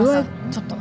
ちょっと。